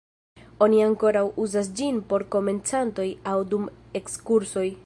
Oni ankoraŭ uzas ĝin por komencantoj aŭ dum ekskursoj.